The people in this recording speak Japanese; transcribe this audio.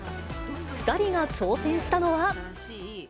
２人が挑戦したのは。